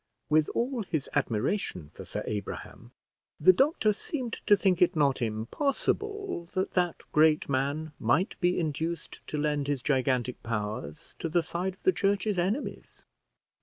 With all his admiration for Sir Abraham, the doctor seemed to think it not impossible that that great man might be induced to lend his gigantic powers to the side of the church's enemies.